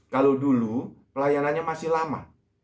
kalau dulu pelayanannya masih lama